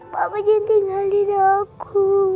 papa jangan tinggalin aku